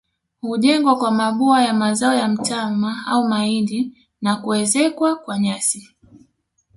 Hujengwa kwa mabua ya mazao ya mtama au mahindi na kuezekwa kwa nyasi